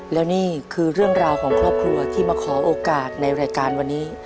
แล้วนี่คือเรื่องราวของครอบครัวที่มาขอโอกาสในรายการวันนี้